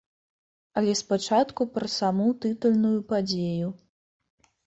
Але спачатку пра саму тытульную падзею.